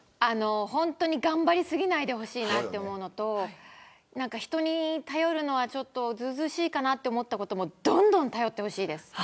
本当に頑張り過ぎないでほしいと思うのと人に頼るのはずうずうしいかなと思ったこともどんどん頼ってほしいです。